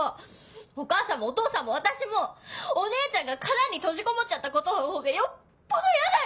お母さんもお父さんも私もお姉ちゃんが殻に閉じこもっちゃったことの方がよっぽどやだよ！